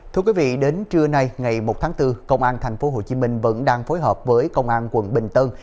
thưa quý vị đến trưa nay ngày một tháng bốn công an tp hcm vẫn đang phối hợp với công an quận bình tân